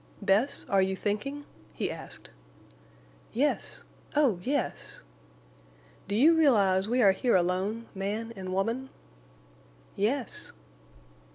"Bess, are you thinking?" he asked. "Yes—oh yes!" "Do you realize we are here alone—man and woman?" "Yes."